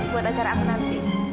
buat acara aku nanti